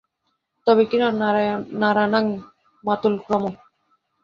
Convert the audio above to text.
তবে কিনা, নরাণাং মাতুলক্রমঃ।